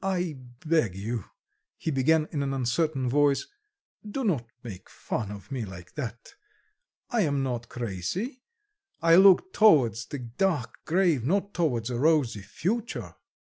"I beg you," he began in an uncertain voice, "do not make fun of me like that. I am not crazy; I look towards the dark grave, not towards a rosy future."